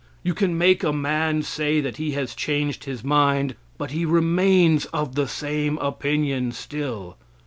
You can make a man say that he has changed his mind, but he remains of the same opinion still.